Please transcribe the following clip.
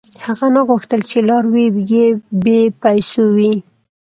• هغه نه غوښتل، چې لاروي یې بېپېسو وي.